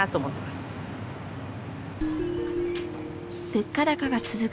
物価高が続く